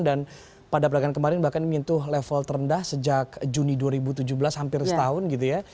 dan pada belakang kemarin bahkan menyentuh level terendah sejak juni dua ribu tujuh belas hampir setahun gitu ya